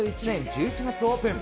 ２０２１年１１月オープン。